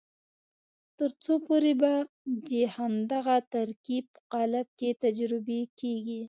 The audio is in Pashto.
تر څو پورې به د همدغه ترکیب په قالب کې تجربې کېږي.